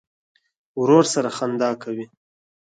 ورور سره خندا کوې.